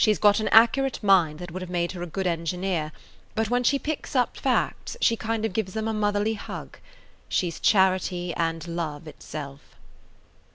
[Page 67] She 's got an accurate mind that would have made her a good engineer, but when she picks up facts she kind of gives them a motherly hug. She 's charity and love itself."